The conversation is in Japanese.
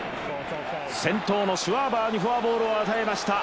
先頭のシュワーバーにフォアボールを与えました。